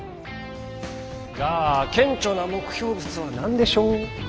じゃあ顕著な目標物は何でしょう？